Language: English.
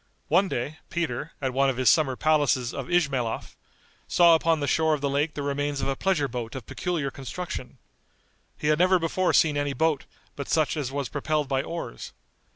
One day, Peter, at one of his summer palaces of Ismaelhof, saw upon the shore of the lake the remains of a pleasure boat of peculiar construction. He had never before seen any boat but such as was propelled by oars.